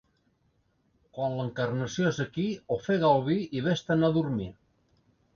Quan l'Encarnació és aquí ofega el vi i ves-te'n a dormir.